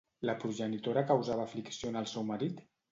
La progenitora causava aflicció en el seu marit?